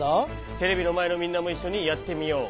テレビのまえのみんなもいっしょにやってみよう。